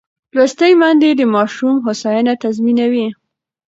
لوستې میندې د ماشوم هوساینه تضمینوي.